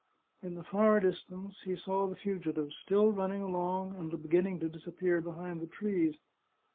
In the far distance he saw the fugitives still running along and beginning to disappear behind the trees.